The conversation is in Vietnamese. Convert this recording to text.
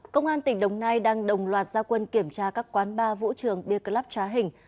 công an tỉnh đồng nai đang đồng loạt gia quân kiểm tra các quán bar vũ trường beer club trá hình